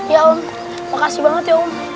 ya om makasih banget ya om